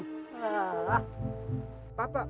hah mau cari harta karun